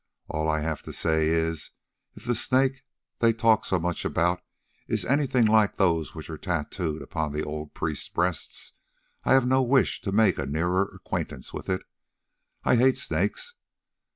All I have to say is, if the Snake they talk so much about is anything like those which are tattooed upon the old priests' breasts, I have no wish to make a nearer acquaintance with it. I hate snakes.